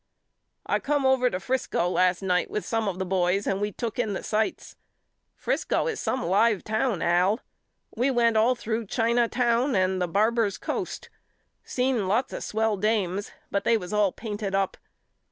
I come over to Frisco last night with some of the boys and we took in the sights. Frisco is some live town Al. We went all through China Town and the Barbers' Coast. Seen lots of swell dames but they was all painted up.